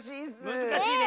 むずかしいね。